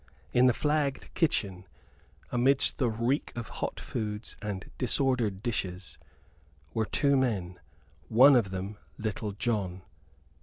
In the flagged kitchen, amidst the reek of hot foods and disordered dishes, were two men one of them Little John.